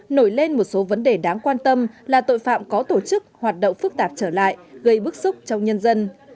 nổi lên một số vấn đề đáng quan tâm là tội phạm có tổ chức hoạt động phức tạp trở lại gây bức xúc trong nhân dân